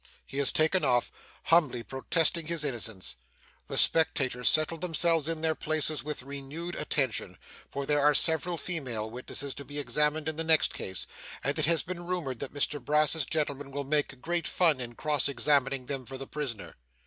He is taken off, humbly protesting his innocence. The spectators settle themselves in their places with renewed attention, for there are several female witnesses to be examined in the next case, and it has been rumoured that Mr Brass's gentleman will make great fun in cross examining them for the prisoner.